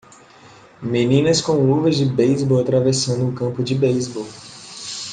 meninas com luvas de beisebol atravessando um campo de beisebol